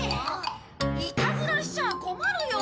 いたずらしちゃ困るよ。